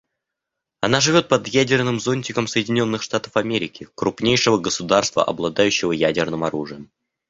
Она живет под «ядерным зонтиком» Соединенных Штатов Америки, крупнейшего государства, обладающего ядерным оружием.